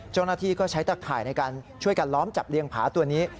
เจ้าหน้าที่ก็ใช้ตะข่ายในการช่วยกันล้อมจับเลี้ยงผาตัวนี้